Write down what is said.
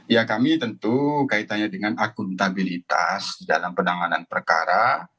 ya kami tentu kaitannya dengan akuntabilitas dalam penanganan perkara